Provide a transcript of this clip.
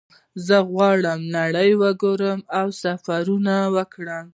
زه غواړم چې نړۍ وګورم او سفرونه وکړم